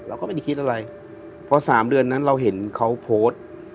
เราก็ไม่ได้คิดอะไรพอสามเดือนนั้นเราเห็นเขาโพสต์